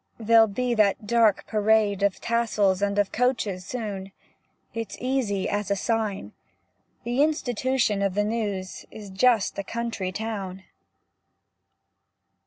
There'll be that dark parade Of tassels and of coaches soon; It's easy as a sign, The intuition of the news In just a country town.